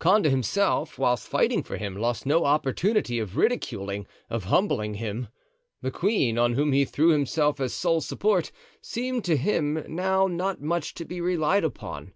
Condé himself, whilst fighting for him, lost no opportunity of ridiculing, of humbling him. The queen, on whom he threw himself as sole support, seemed to him now not much to be relied upon.